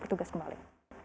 terima kasih pak